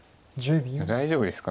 大丈夫ですか。